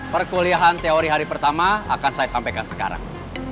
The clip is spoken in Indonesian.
perkuliahan teori hari pertama akan saya sampaikan sekarang